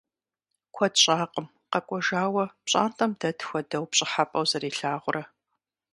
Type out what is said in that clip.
Куэд щӀакъым къэкӀуэжауэ пщӀантӀэм дэт хуэдэу пщӀыхьэпӀэу зэрилъагъурэ.